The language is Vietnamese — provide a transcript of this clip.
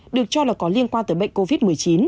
được cho là có liên quan tới bệnh covid một mươi chín